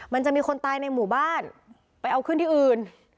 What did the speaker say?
มันจะมีคนตายในหมู่บ้านไปเอาขึ้นที่อื่น